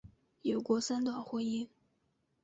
有过三段婚姻。